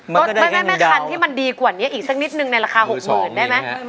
ก็แม่คันที่มันดีกว่านี้อีกสักนิดนึงในราคา๖๐๐๐ได้ไหม